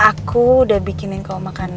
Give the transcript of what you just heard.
aku udah bikinin kau makanan